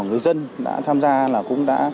người dân đã tham gia là cũng đã